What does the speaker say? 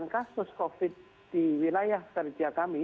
peningkatan kasus covid sembilan belas di wilayah kerja kami